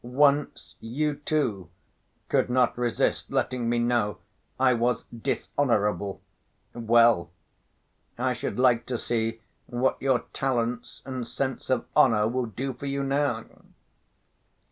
Once you, too, could not resist letting me know I was 'dishonorable.' Well! I should like to see what your talents and sense of honor will do for you now."